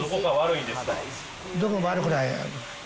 どこも悪くない。